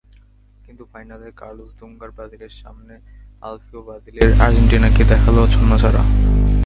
কিন্তু ফাইনালে কার্লোস দুঙ্গার ব্রাজিলের সামনে আলফিও বাসিলের আর্জেন্টিনাকে দেখাল ছন্নছাড়া।